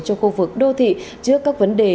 cho khu vực đô thị trước các vấn đề